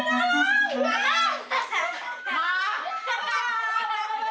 mama bantuin mama